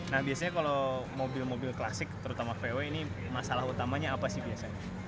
nah biasanya kalau mobil mobil klasik terutama vw ini masalah utamanya apa sih biasanya